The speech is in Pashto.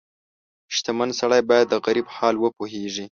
• شتمن سړی باید د غریب حال وپوهيږي.